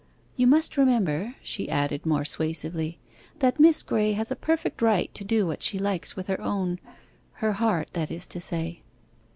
'You must remember,' she added more suasively, 'that Miss Graye has a perfect right to do what she likes with her own her heart, that is to say.